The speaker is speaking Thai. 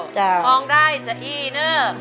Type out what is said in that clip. คงได้จะอีเนอร์